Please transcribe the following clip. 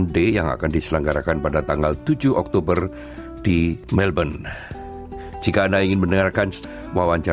terima kasih ibu sri din